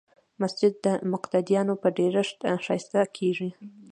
مسجد د مقتدیانو په ډېرښت ښایسته کېږي.